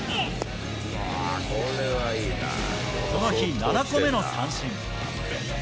この日７個目の三振。